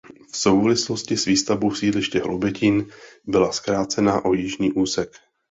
V souvislosti s výstavbou sídliště Hloubětín byla zkrácena o jižní úsek.